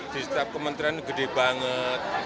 di setiap kementerian gede banget